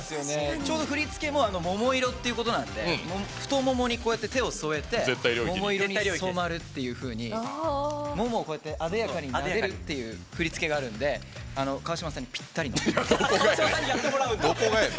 ちょうど振り付けも桃色っていうことなんで太ももに手を添えて「桃色に染まる」っていうふうにももを、こうやってあでやかに、なでるっていう振り付けがあるのでどこがやねん！